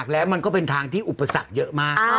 แล้วมันก็เป็นทางที่อุปสรรคเยอะมาก